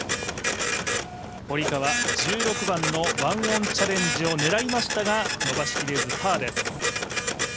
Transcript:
堀川、１６番の１オンチャレンジを狙いましたが伸ばしきれずパーです。